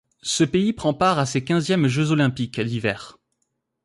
Ce pays prend part à ses quinzièmes Jeux olympiques d'hiver.